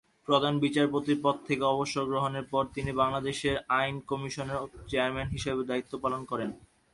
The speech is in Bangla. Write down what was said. প্রধান বিচারপতির পদ থেকে অবসর গ্রহণের পর তিনি বাংলাদেশ আইন কমিশনের চেয়ারম্যান হিসাবেও দায়িত্ব পালন করেন।